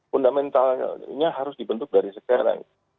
fundamentalnya harus dibentuk dari sekarang